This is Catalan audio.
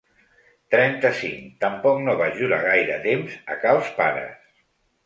Trenta-cinc tampoc no vaig durar gaire temps a cals pares.